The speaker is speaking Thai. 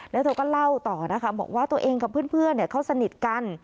แล้วเธอก็เล่าต่อนะคะบอกว่าตัวเองกับเพื่อนเขาสนิทกัน